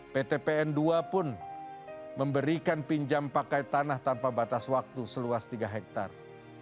pt pn ii pun memberikan pinjam pakai tanah tanpa batas waktu seluas tiga hektare